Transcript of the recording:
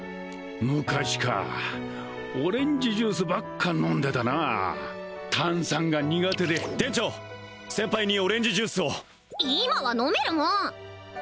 昔かオレンジジュースばっか飲んでたな炭酸が苦手で店長先輩にオレンジジュースを今は飲めるもん！